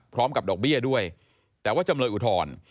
พร้อมกับดอกเบี้ยด้วยแต่ว่าจำเลยอุทร